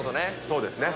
そうですね。